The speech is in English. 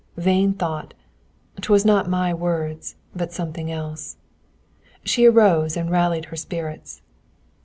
Vain thought! 'Twas not my words, but something else. She arose and rallied her spirits.